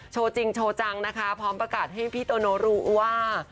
จริงโชว์จังนะคะพร้อมประกาศให้พี่โตโนรู้ว่า